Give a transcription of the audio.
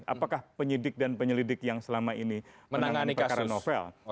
apakah penyidik dan penyelidik yang selama ini menangani perkara novel